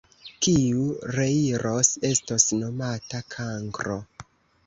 Kiu reiros, estos nomata kankro!